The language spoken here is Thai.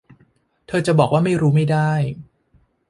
เธอจะบอกว่าไม่รู้ไม่ได้